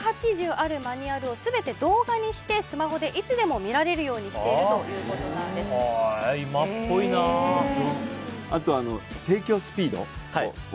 １８０あるマニュアルを全て動画にしてスマホでいつでも見られるようにしているということなんです